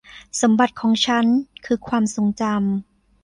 สมบัติของฉันคือความทรงจำ